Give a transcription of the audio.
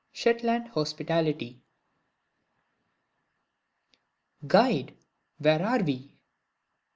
SHETLAND HOSPITALITY. "GUIDE! Where are we?"